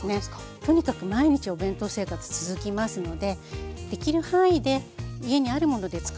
とにかく毎日お弁当生活続きますのでできる範囲で家にあるものでつくる。